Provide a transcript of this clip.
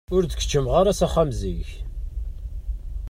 Ur d-keččmeɣ ara s axxam zik.